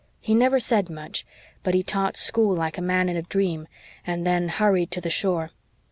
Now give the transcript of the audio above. He never said much but he taught school like a man in a dream and then hurried to the shore.